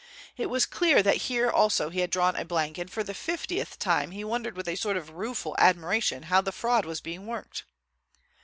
It was clear that here also he had drawn blank, and for the fiftieth time he wondered with a sort of rueful admiration how the fraud was being worked.